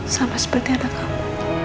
sama seperti anak kamu